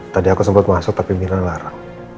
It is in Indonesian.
tadi aku sempet masuk tapi mira larang